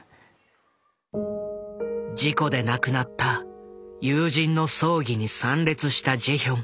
事故で亡くなった友人の葬儀に参列したジェヒョン。